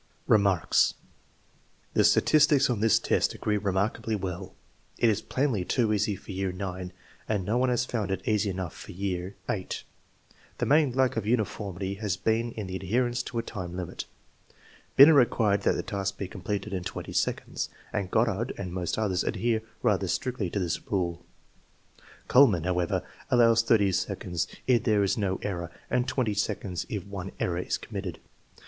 Remarks. The statistics on this test agree remarkably well. It is plainly too easy for year IX, and no one has found it easy enough for year VEL The main lack of uni formity has been in the adherence to a time limit. Binet required that the task be completed in twenty seconds, and Goddard and most others adhere rather strictly to this rule. 8U THE MEASTJBEMENT OF INTELLIGENCE Kuhlmann, however, allows thirty seconds if there is no error and twenty seconds if one error is committed.